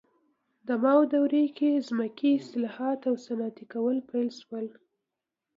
د ماو دورې کې ځمکې اصلاحات او صنعتي کول پیل شول.